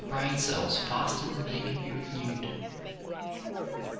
brain cells faster than they can be renewed.